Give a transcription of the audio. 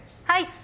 はい。